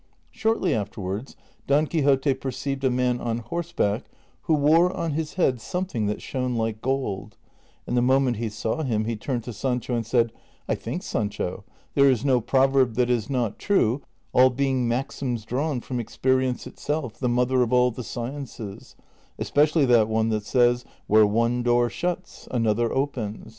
Shortly afterwards Don Quixote perceived a man on horseback who wore on his head something that shone like gold, and the moment he saw him he turned to Sancho and said, " I think, Sancho, there is no proverb that is not true, all being maxims drawn from experience itself, the mother of all the sciences, especially that one that says, < Where one door shuts, another opens.'